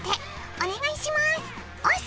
お願いしますおす！